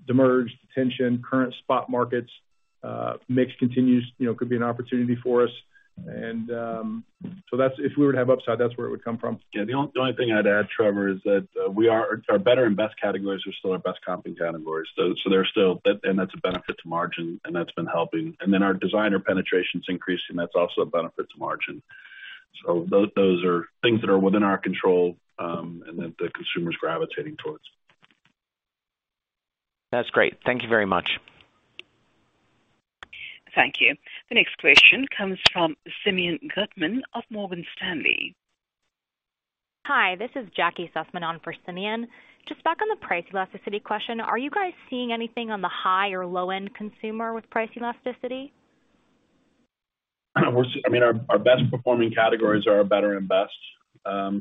demurrage, detention, current spot markets, mix continues could be an opportunity for us. If we were to have upside, that's where it would come from. Yeah. The only thing I'd add, Trevor, is that our better and best categories are still our best comping categories. So there's still that. That's a benefit to margin, and that's been helping. Our designer penetration is increasing. That's also a benefit to margin. Those are things that are within our control, and that the consumer's gravitating towards. That's great. Thank you very much. Thank you. The next question comes from Simeon Gutman of Morgan Stanley. Hi, this is Jacquelyn Sussman on for Simeon. Just back on the price elasticity question, are you guys seeing anything on the high or low-end consumer with price elasticity? Our best performing categories are our better and best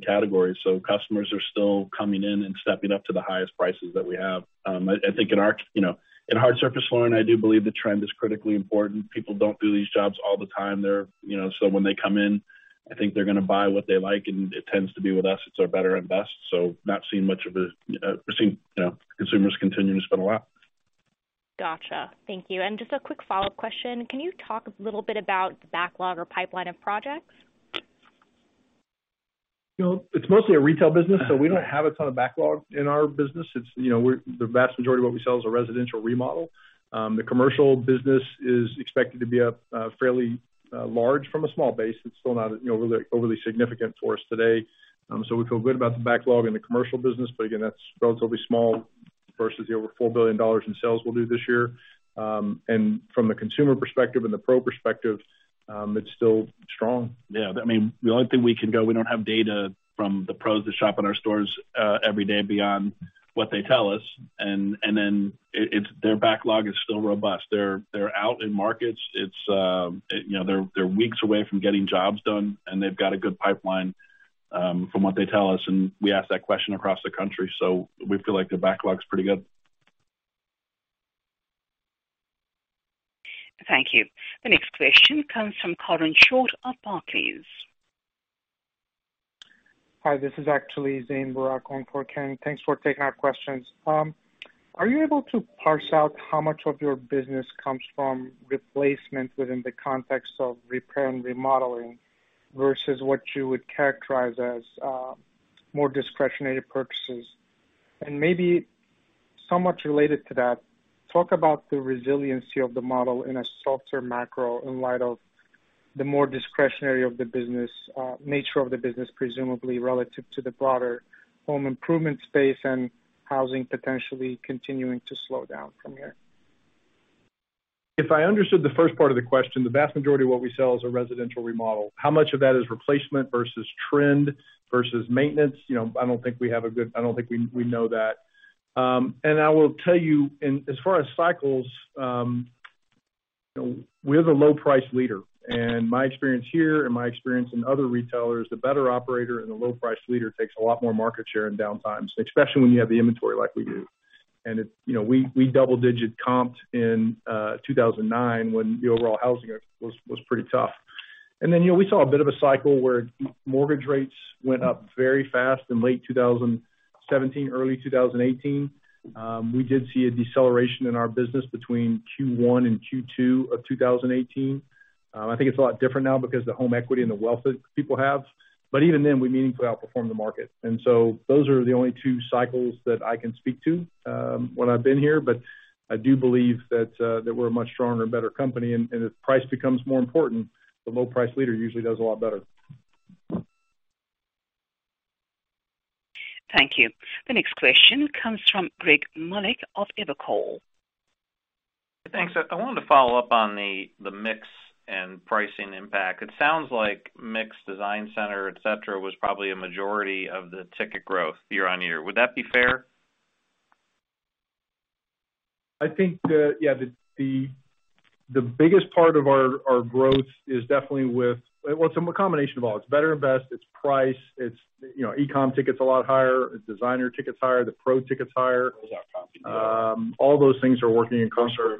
categories. Customers are still coming in and stepping up to the highest prices that we have. I think in hard surface flooring, I do believe the trend is critically important. People don't do these jobs all the time. When they come in, I think they're gonna buy what they like, and it tends to be with us, it's our better and best. Not seeing much of a. We're seeing consumers continue to spend a lot. Gotcha. Thank you. Just a quick follow-up question. Can you talk a little bit about the backlog or pipeline of projects? It's mostly a retail business, so we don't have a ton of backlog in our business. It's the vast majority of what we sell is a residential remodel. The commercial business is expected to be a fairly large from a small base. It's still not really overly significant for us today. So we feel good about the backlog in the commercial business. But again, that's relatively small versus the over $4 billion in sales we'll do this year. From the consumer perspective and the pro perspective, it's still strong. Yeah, the only thing we can go, we don't have data from the pros that shop in our stores every day beyond what they tell us. And then their backlog is still robust. They're out in markets. They're weeks away from getting jobs done, and they've got a good pipeline from what they tell us, and we ask that question across the country, so we feel like their backlog's pretty good. Thank you. The next question comes from Kate McShane of Barclays. Hi, this is actually Zain Barak calling for Ken. Thanks for taking our questions. Are you able to parse out how much of your business comes from replacement within the context of repair and remodeling versus what you would characterize as more discretionary purchases? Maybe somewhat related to that, talk about the resiliency of the model in a softer macro in light of the more discretionary of the business nature of the business, presumably relative to the broader home improvement space and housing potentially continuing to slow down from here. If I understood the first part of the question, the vast majority of what we sell is a residential remodel. How much of that is replacement versus trend versus maintenance? I don't think we know that. I will tell you, as far as cycles we're the low price leader. My experience here and my experience in other retailers, the better operator and the low price leader takes a lot more market share in downtimes, especially when you have the inventory like we do. It's we double-digit comped in 2009 when the overall housing was pretty tough. We saw a bit of a cycle where mortgage rates went up very fast in late 2017, early 2018. We did see a deceleration in our business between Q1 and Q2 of 2018. I think it's a lot different now because the home equity and the wealth that people have, but even then, we meaningfully outperform the market. Those are the only two cycles that I can speak to when I've been here. I do believe that we're a much stronger and better company. If price becomes more important, the low price leader usually does a lot better. Thank you. The next question comes from Gregory Melich of Evercore ISI. Thanks. I wanted to follow up on the mix and pricing impact. It sounds like mix design center, et cetera, was probably a majority of the ticket growth year-over-year. Would that be fair? I think the biggest part of our growth is definitely. It's a combination of all. It's better and best, it's price, it's e-com ticket's a lot higher, designer ticket's higher, the pro ticket's higher. All those things are working in concert.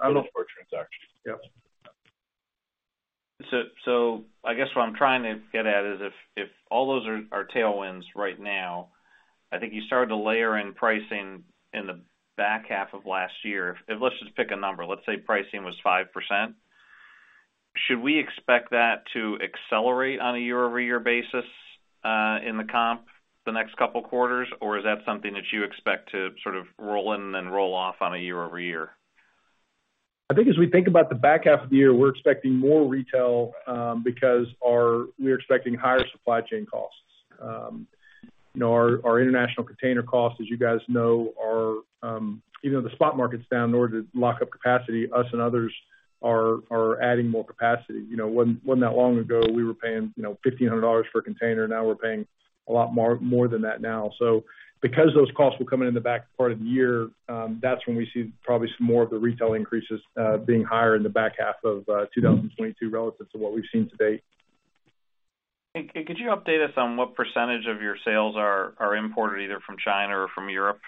What I'm trying to get at is if all those are tailwinds right now, I think you started to layer in pricing in the back half of last year. If, let's just pick a number. Let's say pricing was 5%. Should we expect that to accelerate on a year-over-year basis in the comp the next couple quarters? Or is that something that you expect to roll in and roll off on a year-over-year? I think as we think about the back half of the year, we're expecting more retail because we're expecting higher supply chain costs. Our international container costs, as you guys know, are even though the spot market's down in order to lock up capacity, us and others are adding more capacity. It wasn't that long ago, we were paying $1,500 for a container. Now we're paying a lot more than that now. Because those costs will come in in the back part of the year, that's when we see probably some more of the retail increases being higher in the back half of 2022 relative to what we've seen to date. Could you update us on what percentage of your sales are imported either from China or from Europe,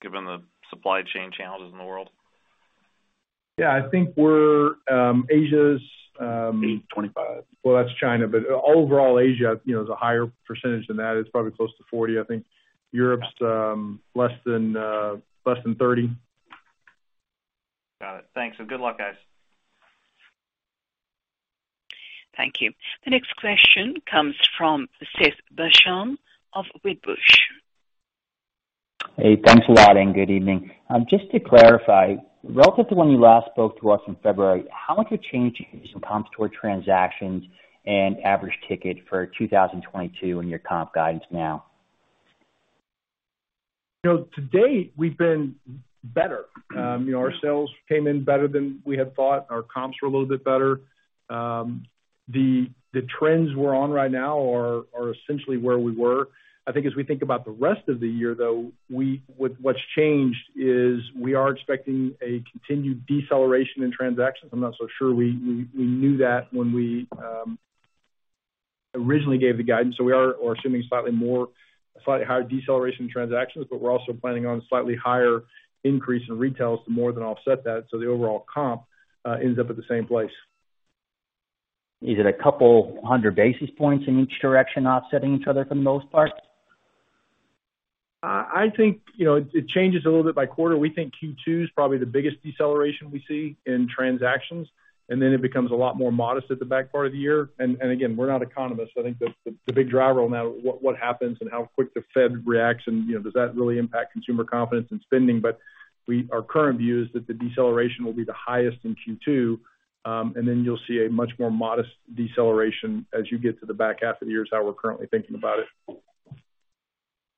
given the supply chain challenges in the world? Yeah. I think we're Asia's. 8:25. That's China, but overall, Asia is a higher percentage than that. It's probably close to 40%, I think. Europe's less than 30%. Got it. Thanks. Good luck, guys. Thank you. The next question comes from Seth Basham of Wedbush. Thanks a lot and good evening. Just to clarify, relative to when you last spoke to us in February, how much have changed in comps toward transactions and average ticket for 2022 in your comp guidance now? To date, we've been better. Our sales came in better than we had thought. Our comps were a little bit better. The trends we're on right now are essentially where we were. I think as we think about the rest of the year, though, what's changed is we are expecting a continued deceleration in transactions. I'm not so sure we knew that when we originally gave the guidance. We are assuming a slightly higher deceleration in transactions, but we're also planning on a slightly higher increase in retails to more than offset that. The overall comp ends up at the same place. Is it 200 basis points in each direction offsetting each other for the most part? I think it changes a little bit by quarter. We think Q2 is probably the biggest deceleration we see in transactions, and then it becomes a lot more modest at the back part of the year. Again, we're not economists. I think the big driver on that, what happens and how quick the Fed reacts and does that really impact consumer confidence and spending. Our current view is that the deceleration will be the highest in Q2, and then you'll see a much more modest deceleration as you get to the back half of the year, is how we're currently thinking about it.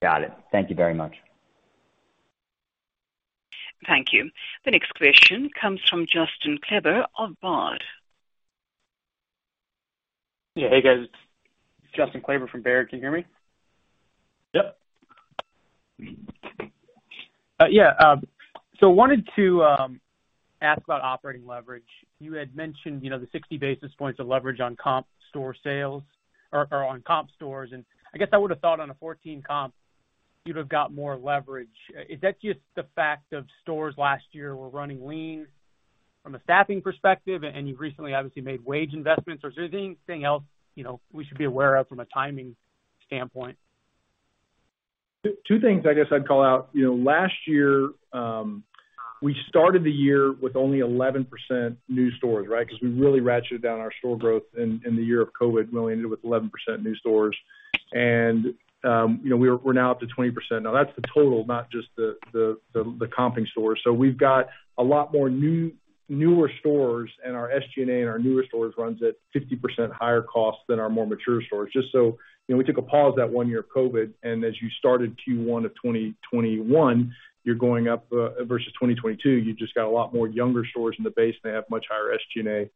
Got it. Thank you very much. Thank you. The next question comes from Justin Kleber of Baird. Yeah. Hey, guys, it's Justin Kleber from Baird. Can you hear me? Yep. Wanted to ask about operating leverage. You had mentioned the 60 basis points of leverage on comp store sales or on comp stores. I would have thought on a 14 comp, you'd have got more leverage. Is that just the fact of stores last year were running lean from a staffing perspective and you've recently obviously made wage investments? Or is there anything else we should be aware of from a timing standpoint? Two things I'd call out. Last year, we started the year with only 11% new stores. Because we really ratcheted down our store growth in the year of COVID. We only ended up with 11% new stores. We're now up to 20%. Now, that's the total, not just the comping stores. We've got a lot more new, newer stores, and our SG&A in our newer stores runs at 50% higher cost than our more mature stores. Just so, we took a pause that one year of COVID, and as you started Q1 of 2021, you're going up versus 2022, you just got a lot more younger stores in the base, and they have much higher SG&A.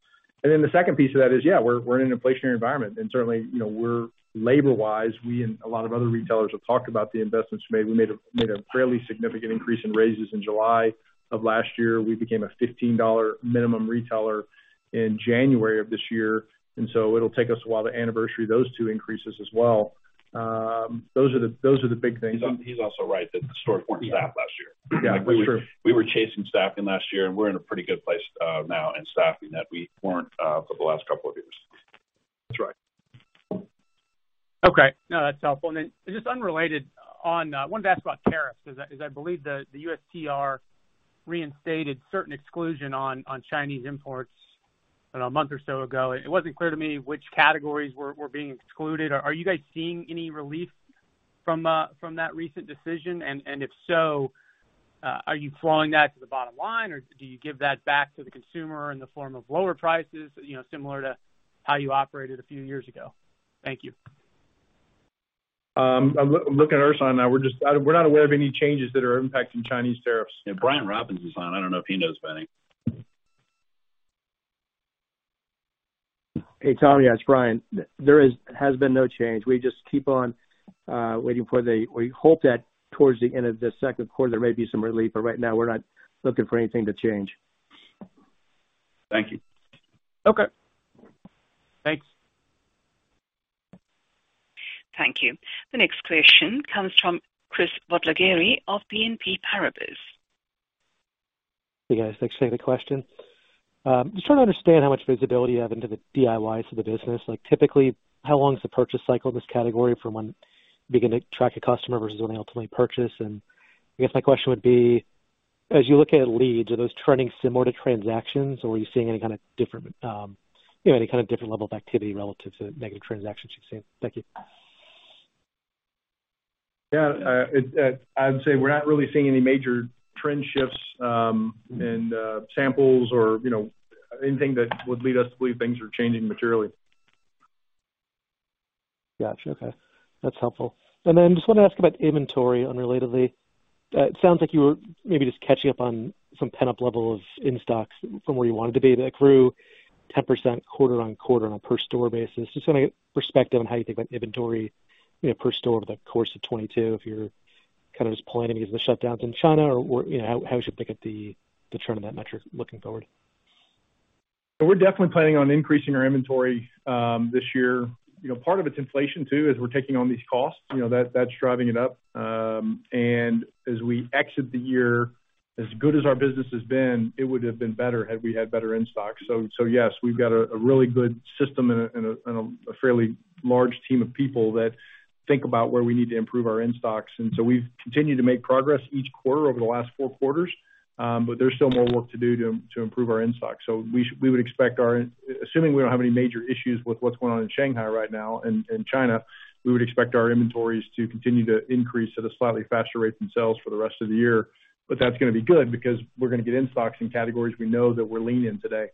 The second piece of that is, yeah, we're in an inflationary environment. Certainly, we're labor-wise, we and a lot of other retailers have talked about the investments we made. We made a fairly significant increase in raises in July of last year. We became a $15 minimum retailer in January of this year, and so it'll take us a while to anniversary those two increases as well. Those are the big things. He's also right that the stores weren't staffed last year. Yeah, for sure. We were chasing staffing last year, and we're in a pretty good place now in staffing that we weren't for the last couple of years. That's right. Okay. No, that's helpful. Just unrelated, wanted to ask about tariffs, because I believe the USTR reinstated certain exclusions on Chinese imports about a month or so ago. It wasn't clear to me which categories were being excluded. Are you guys seeing any relief from that recent decision? And if so, are you flowing that to the bottom line, or do you give that back to the consumer in the form of lower prices, similar to how you operated a few years ago? Thank you. I'm looking at Ersan now. We're not aware of any changes that are impacting Chinese tariffs. Yeah. Brian Robbins is on. I don't know if he knows of any. Tom. It's Brian. There has been no change. We just keep on waiting. We hope that towards the end of the second quarter, there may be some relief. Right now we're not looking for anything to change. Thank you. Okay. Thanks. Thank you. The next question comes from Chris Bottiglieri of BNP Paribas. Thanks for taking the question. Just trying to understand how much visibility you have into the DIYs of the business. Like, typically, how long is the purchase cycle in this category from when you begin to track a customer versus when they ultimately purchase? My question would be, as you look at leads, are those trending similar to transactions, or are you seeing any kind of different level of activity relative to negative transactions you've seen? Thank you. Yeah. I'd say we're not really seeing any major trend shifts in samples or anything that would lead us to believe things are changing materially. Gotcha. Okay. That's helpful. Just want to ask about inventory unrelatedly. It sounds like you were maybe just catching up on some pent-up levels in stocks from where you wanted to be. That grew 10% quarter-over-quarter on a per store basis. Just want to get perspective on how you think about inventory per store over the course of 2022, if you're just planning because of the shutdowns in China or what, how we should think of the trend of that metric looking forward. We're definitely planning on increasing our inventory this year. Part of it's inflation too, as we're taking on these costs. That's driving it up. As we exit the year, as good as our business has been, it would have been better had we had better in-stocks. Yes, we've got a really good system and a fairly large team of people that think about where we need to improve our in-stocks. We've continued to make progress each quarter over the last four quarters. But there's still more work to do to improve our in-stock. We would expect our in... Assuming we don't have any major issues with what's going on in Shanghai right now and China, we would expect our inventories to continue to increase at a slightly faster rate than sales for the rest of the year. That's gonna be good because we're gonna get in-stocks in categories we know that we're lean in today.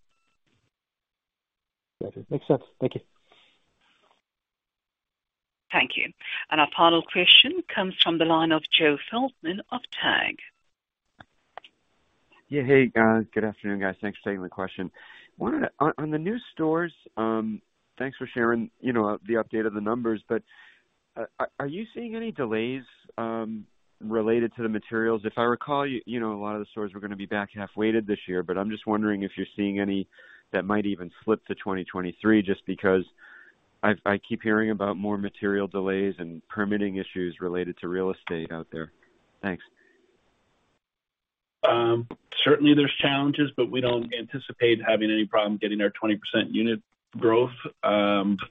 Gotcha. Makes sense. Thank you. Thank you. Our final question comes from the line of Joe Feldman of Telsey Advisory Group. Yeah. Good afternoon, guys. Thanks for taking the question. On the new stores, thanks for sharing the update of the numbers, but are you seeing any delays related to the materials? If I recall a lot of the stores were gonna be back half weighted this year, but I'm just wondering if you're seeing any that might even flip to 2023 just because I keep hearing about more material delays and permitting issues related to real estate out there. Thanks. Certainly there's challenges, but we don't anticipate having any problem getting our 20% unit growth.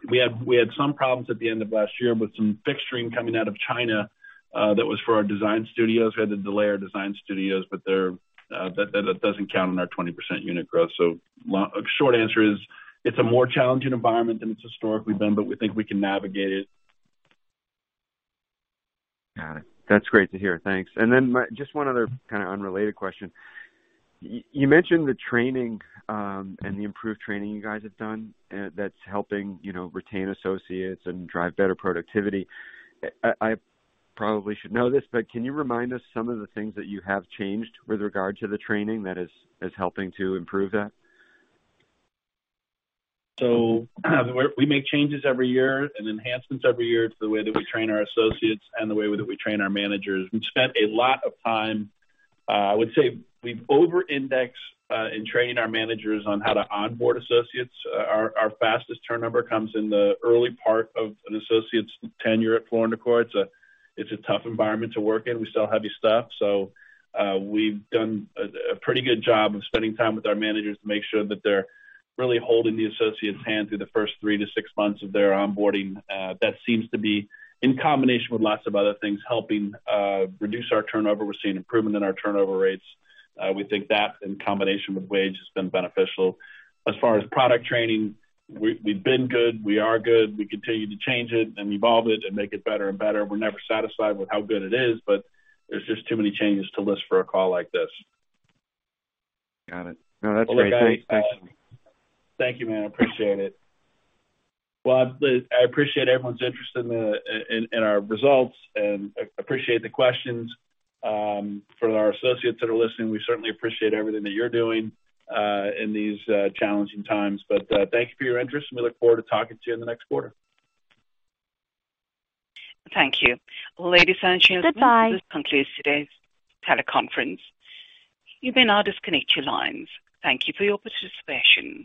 We had some problems at the end of last year with some fixturing coming out of China that was for our Design Studios. We had to delay our Design Studios, but that doesn't count on our 20% unit growth. Short answer is, it's a more challenging environment than it's historically been, but we think we can navigate it. Got it. That's great to hear. Thanks. My just one other unrelated question. You mentioned the training and the improved training you guys have done that's helping retain associates and drive better productivity. I probably should know this, but can you remind us some of the things that you have changed with regard to the training that is helping to improve that? We make changes every year and enhancements every year to the way that we train our associates and the way that we train our managers. We've spent a lot of time, I would say we over-index, in training our managers on how to onboard associates. Our fastest turnover comes in the early part of an associate's tenure at Floor & Decor. It's a tough environment to work in. We sell heavy stuff, we've done a pretty good job of spending time with our managers to make sure that they're really holding the associate's hand through the first 3-6 months of their onboarding. That seems to be, in combination with lots of other things, helping reduce our turnover. We're seeing improvement in our turnover rates. We think that in combination with wage has been beneficial. As far as product training, we've been good. We are good. We continue to change it and evolve it and make it better and better. We're never satisfied with how good it is, but there's too many changes to list for a call like this. Got it. No, that's great. Look, I. Thanks. Thank you, man. I appreciate it. I appreciate everyone's interest in our results and appreciate the questions. To our associates that are listening, we certainly appreciate everything that you're doing in these challenging times. Thank you for your interest, and we look forward to talking to you in the next quarter. Thank you. Ladies and gentlemen. This concludes today's teleconference. You may now disconnect your lines. Thank you for your participation.